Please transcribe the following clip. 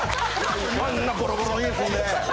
あんなボロボロの家住んで。